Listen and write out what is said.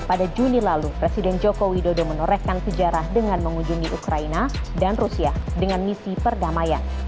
pada juni lalu presiden joko widodo menorehkan sejarah dengan mengunjungi ukraina dan rusia dengan misi perdamaian